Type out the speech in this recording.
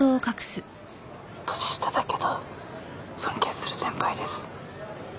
年下だけど尊敬する先輩です。